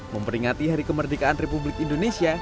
memperingati hari kemerdekaan republik indonesia